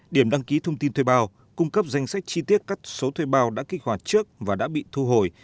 điểm đăng ký thông tin thuê bao cung cấp danh sách chi tiết các số thuê bao đã kích hoạt trước và đã bị thu hồi